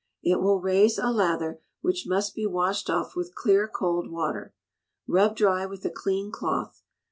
It will raise a lather, which must be washed off with clear cold water. Rub dry with a clean cloth.